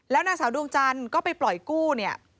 นางสาวดวงจันทร์ก็ไปปล่อยกู้เนี่ย